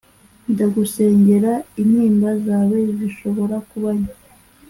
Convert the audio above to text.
ndagusengera intimba zawe zishobora kuba nke